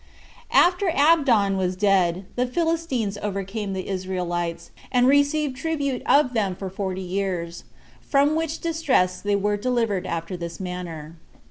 1. After Abdon was dead, the Philistines overcame the Israelites, and received tribute of them for forty years; from which distress they were delivered after this manner: 2.